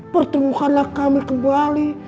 pertemukanlah kami kembali